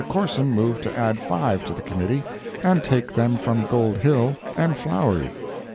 Corson moved to add five to the committee, and take them from Gold Hill and Flowery.